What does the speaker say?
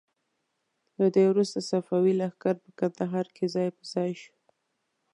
له دې وروسته صفوي لښکر په کندهار کې ځای په ځای شو.